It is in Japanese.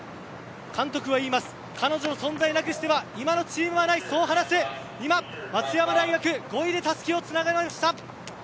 監督は言います、彼女の存在なくしては今のチームはない今、松山大学５位でたすきをつなぎました。